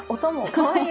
かわいい。